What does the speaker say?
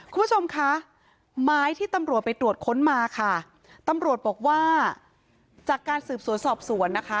คุณผู้ชมคะไม้ที่ตำรวจไปตรวจค้นมาค่ะตำรวจบอกว่าจากการสืบสวนสอบสวนนะคะ